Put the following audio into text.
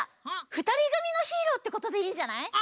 ふたりぐみのヒーローってことでいいんじゃない？